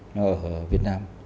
nó ở việt nam